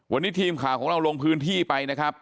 วันนี้ทีมข่าวของเราลงพื้นที่ไปนะครับ